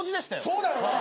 そうだよな。